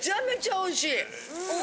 おいしい！